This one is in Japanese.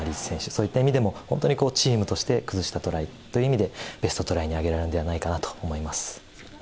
そういった意味でも、本当にチームとして崩したトライという意味で、ベストトライに挙げられるんではないかなと思います。